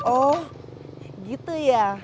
oh gitu ya